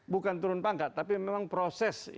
bukan turun pangkat tapi memang proses